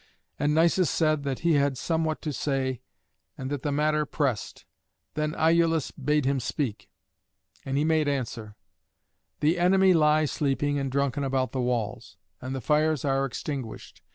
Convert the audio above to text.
And Nisus said that he had somewhat to say, and that the matter pressed. Then Iülus bade him speak; and he made answer: "The enemy lie sleeping and drunken about the walls, and the fires are extinguished.